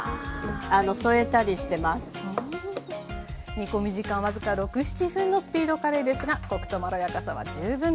煮込み時間僅か６７分のスピードカレーですがコクとまろやかさは十分です。